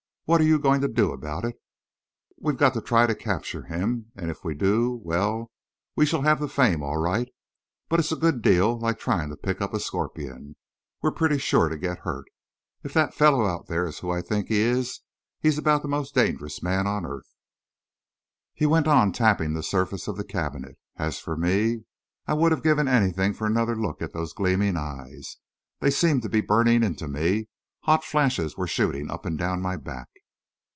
"What are you going to do about it?" "We've got to try to capture him; and if we do well, we shall have the fame all right! But it's a good deal like trying to pick up a scorpion we're pretty sure to get hurt. If that fellow out there is who I think he is, he's about the most dangerous man on earth." He went on tapping the surface of the cabinet. As for me, I would have given anything for another look at those gleaming eyes. They seemed to be burning into me; hot flashes were shooting up and down my back.